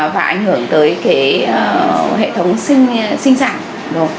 và ảnh hưởng tới cái hệ thống sinh sản